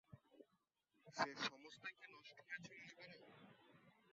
সে-সমস্তই কি নষ্ট হয়েছে মনে কর?